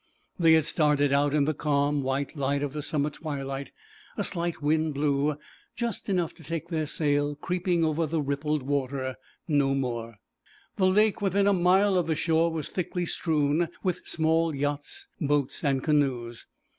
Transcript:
They had started out in the calm white light of summer twilight; a slight wind blew, just enough to take their sail creeping over the rippled water, no more. The lake within a mile of the shore was thickly strewn with small yachts, boats, and canoes.